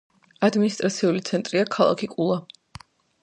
ადმინისტრაციული ცენტრია ქალაქი კულა.